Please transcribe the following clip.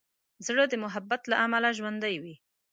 زړه د محبت له امله ژوندی وي.